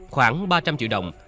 khoảng ba trăm linh triệu đồng